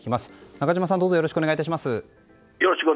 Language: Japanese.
中島さん、よろしくお願いします。